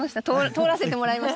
通らせてもらいました。